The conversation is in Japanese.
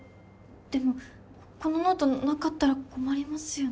でもこのノートなかったら困りますよね。